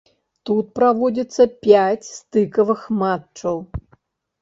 Тут праводзіцца пяць стыкавых матчаў.